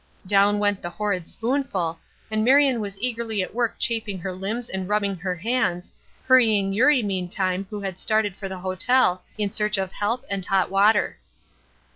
Down went the horrid spoonful, and Marion was eagerly at work chafing her limbs and rubbing her hands, hurrying Eurie meantime who had started for the hotel in search of help and hot water.